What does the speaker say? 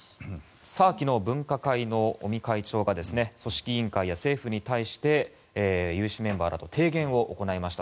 昨日、分科会の尾身会長が組織委員会や政府に対して有志メンバーらと提言を行いました。